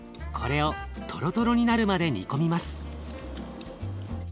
これをとろとろになるまで煮込みます。